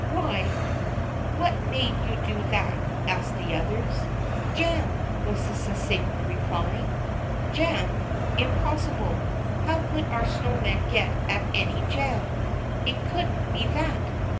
347 " Why, what made you do that ?" asked the others, was the succinct reply. ^^Jam! Impossible. How could our snow man get at any jam ? It couldn't be that."